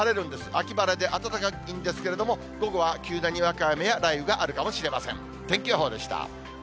秋晴れで暖かいんですけれども、午後は急なにわか雨や雷雨があるかもしれません。